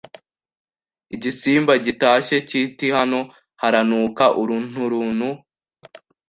Igisimba gitashye kiti Hano haranuka urunturuntu